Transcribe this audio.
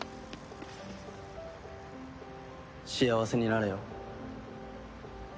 幸せになれよ。